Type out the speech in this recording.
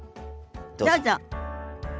どうぞ。